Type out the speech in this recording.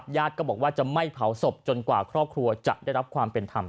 ญาติก็บอกว่าจะไม่เผาศพจนกว่าครอบครัวจะได้รับความเป็นธรรม